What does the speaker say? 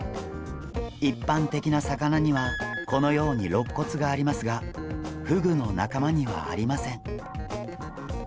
一般的な魚にはこのようにろっ骨がありますがフグの仲間にはありません。